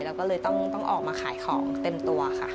เราก็เลยต้องออกมาขายของเต็มตัวค่ะ